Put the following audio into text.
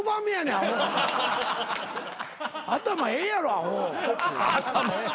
頭ええやろアホ。